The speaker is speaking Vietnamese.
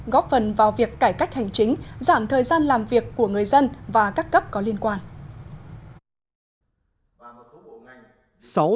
góp phần vào việc cải cách hành chính giảm thời gian làm việc của người dân và các cấp có liên quan